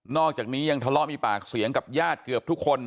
อกจากนี้ยังทะเลาะมีปากเสียงกับญาติเกือบทุกคน